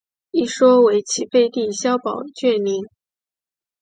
一说为齐废帝萧宝卷陵。